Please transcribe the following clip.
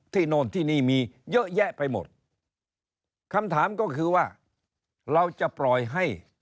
โน่นที่นี่มีเยอะแยะไปหมดคำถามก็คือว่าเราจะปล่อยให้